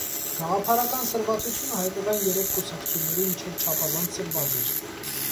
Գաղափարական սրվածությունը հայկական երեք կուսակցությունների միջև չափազանց սրված էր։